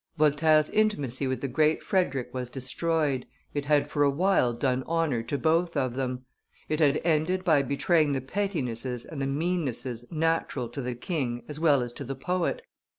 Voltaire's intimacy with the Great Frederick was destroyed it had for a while done honor to both of them; it had ended by betraying the pettinesses and the meannesses natural to the king as well as to the poet.